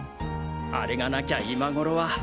あれがなきゃ今頃は。